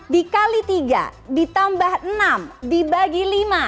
dikali tiga ditambah enam dibagi lima